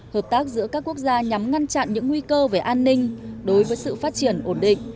hợp tác giữa các quốc gia nhằm ngăn chặn những nguy cơ về an ninh đối với sự phát triển ổn định